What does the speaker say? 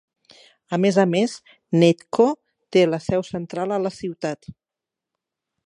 A més a més, Netco té la seu central a la ciutat.